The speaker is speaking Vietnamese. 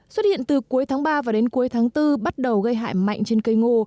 xuất hiện từ cuối tháng ba và đến cuối tháng bốn bắt đầu gây hại mạnh trên cây ngô